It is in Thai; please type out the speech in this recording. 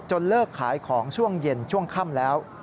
เลิกขายของช่วงเย็นช่วงค่ำแล้ว